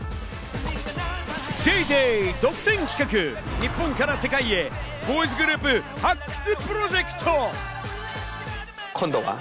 『ＤａｙＤａｙ．』独占企画、日本から世界へ、ボーイズグループ発掘プロジェクト。